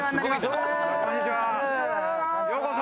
こんにちは。